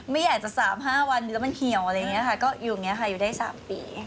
ไม่อยากจะ๓๕วันหรือแล้วมันเหี่ยวอะไรอย่างนี้ค่ะก็อยู่อย่างนี้ค่ะอยู่ได้๓ปี